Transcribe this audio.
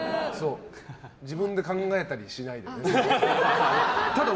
自分で考えたりしない。